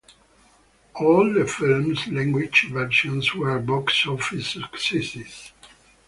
All the film's language versions were box-office successes.